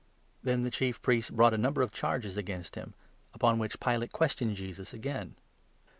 Then the Chief Priests brought a number of charges against 3 him ; upon which Pilate questioned Jesus again.